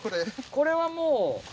これはもう？